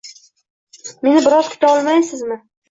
Meni biroz kuta olmaysizmi?